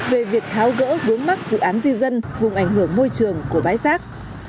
về việc tháo gỡ vướng mắt dự án di dân vùng ảnh hưởng môi trường của bãi rác